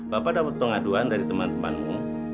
bapak dapat pengaduan dari teman temanmu